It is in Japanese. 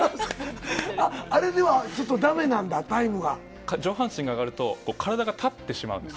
あれではちょっとだめなんだ、上半身が上がると、体が立ってしまうんです。